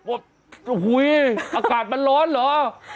โอ้โหอากาศมันร้อนเหรอ